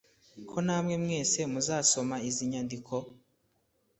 ko namwe mwese muzasoma izi nyandiko